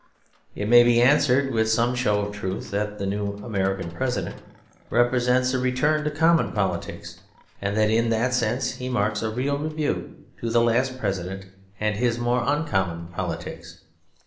It may be answered, with some show of truth, that the new American President represents a return to common politics; and that in that sense he marks a real rebuke to the last President and his more uncommon politics.